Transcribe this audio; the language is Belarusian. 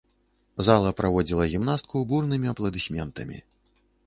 Зала праводзіла гімнастку бурнымі апладысментамі.